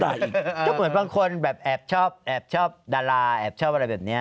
ก็เหมือนบางคนแบบแอบชอบแอบชอบดาราแอบชอบอะไรแบบนี้